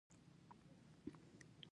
موږ سبا سپین غره ته سفر کوو